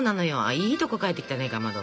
いいとこ帰ってきたねかまど。